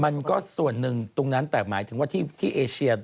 มันก็ส่วนหนึ่งตรงนั้นแต่หมายถึงว่าที่เอเชีย